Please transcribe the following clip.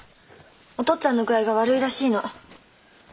お父っつぁんの具合が悪いらしいの。